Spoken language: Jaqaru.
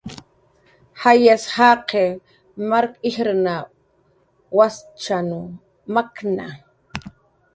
Jayas jaqiq mark ijrna waschan makna